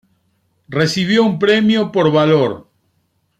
Recibió un premio por valor.